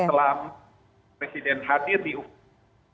selama presiden hadir di ukraina